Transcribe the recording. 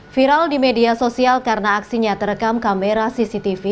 viral di media sosial karena aksinya terekam kamera cctv